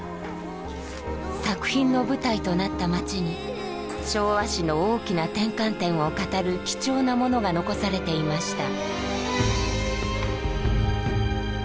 作品の舞台となった町に昭和史の大きな転換点を語る貴重なものが遺されていました。